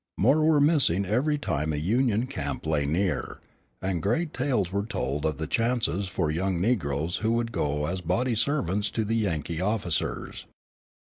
More were missing every time a Union camp lay near, and great tales were told of the chances for young negroes who would go as body servants to the Yankee officers.